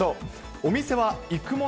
お店は行くもの？